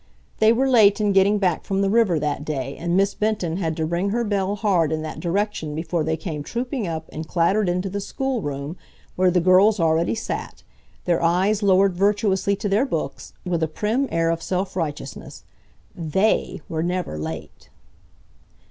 They were late in getting back from the river that day and Miss Benton had to ring her bell hard in that direction before they came trooping up and clattered into the schoolroom, where the girls already sat, their eyes lowered virtuously to their books, with a prim air of self righteousness. THEY were never late!